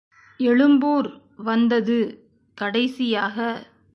எழும்பூர் வந்தது கடைசியாக.